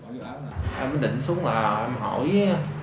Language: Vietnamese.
em định xuống là em hỏi